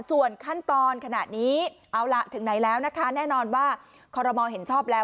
ส่วนขั้นตอนขณะนี้เอาล่ะถึงไหนแล้วนะคะแน่นอนว่าคอรมอลเห็นชอบแล้ว